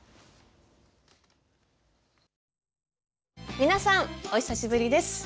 皆さん！お久しぶりです。